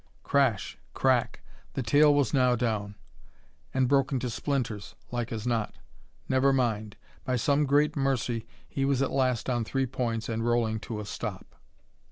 Crash! Crack! The tail was down now ... and broken to splinters, like as not. Never mind.... By some great mercy he was at last on three points and rolling to a stop.